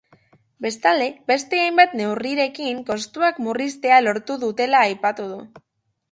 Bestalde, beste hainbat neurrirekin kostuak murriztea lortu dutela aipatu du.